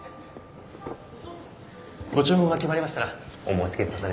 ご注文が決まりましたらお申しつけくださりませ。